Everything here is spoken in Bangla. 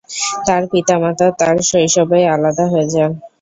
তার পিতামাতা তার শৈশবেই আলাদা হয়ে যান।